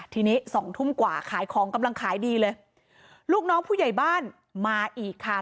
ทีนี้สองทุ่มกว่าขายของกำลังขายดีเลยลูกน้องผู้ใหญ่บ้านมาอีกค่ะ